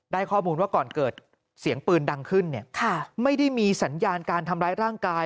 ข้อมูลว่าก่อนเกิดเสียงปืนดังขึ้นเนี่ยไม่ได้มีสัญญาณการทำร้ายร่างกาย